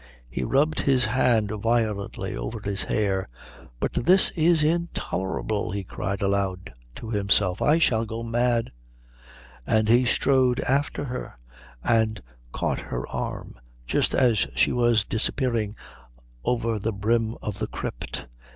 He rubbed his hand violently over his hair. "But this is intolerable!" he cried aloud to himself. "I shall go mad " And he strode after her and caught her arm just as she was disappearing over the brim of the crypt.